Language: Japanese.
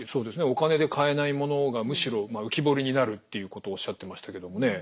お金で買えないものがむしろ浮き彫りになるっていうことをおっしゃってましたけどもね。